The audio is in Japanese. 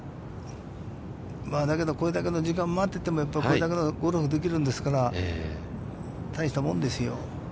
だけど、これだけの時間待ってても、やっぱりこれだけのゴルフができるんですから、大したもんですよ。